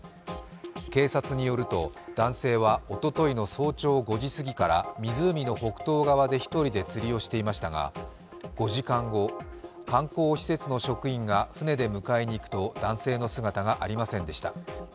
警察によると、男性はおとといの早朝５時過ぎから湖の北東側で１人で釣りをしていましたが５時間後、観光施設の職員が船で迎えに行くと男性の姿がありませんでした。